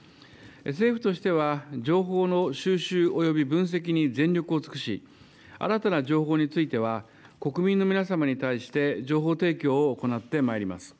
政府としては情報の収集および分析に全力を尽くし、新たな情報については国民の皆様に対して情報提供を行ってまいります。